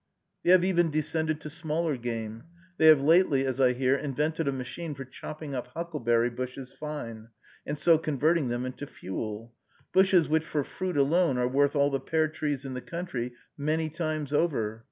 They have even descended to smaller game. They have lately, as I hear, invented a machine for chopping up huckleberry bushes fine, and so converting them into fuel! bushes which, for fruit alone, are worth all the pear trees in the country many times over.